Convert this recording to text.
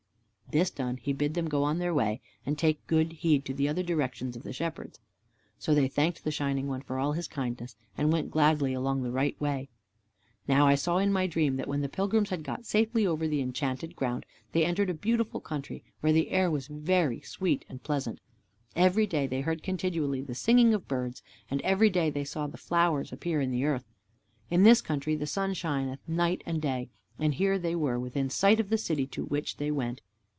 This done, he bid them go on their way and take good heed to the other directions of the Shepherds. So they thanked the Shining One for all his kindness, and went gladly along the right way. Now I saw in my dream that when the pilgrims had got safely over the Enchanted Ground, they entered a beautiful country where the air was very sweet and pleasant. Every day they heard continually the singing of birds, and every day they saw the flowers appear in the earth. In this country the sun shineth night and day, and here they were within sight of the City to which they went.